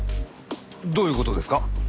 どういう事ですか？